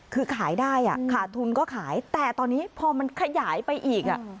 คือขายได้ขาดทุนก็ขายแต่ตอนนี้พอมันขยายไปอีก